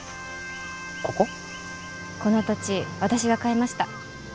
この土地私が買いました。